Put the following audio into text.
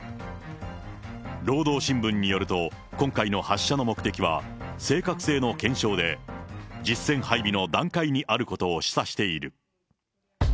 労働新聞によると、今回の発射の目的は、正確性の検証で、実戦配備の段階にあることを示唆している。